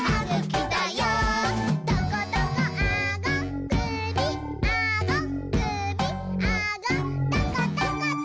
「トコトコあごくびあごくびあごトコトコト」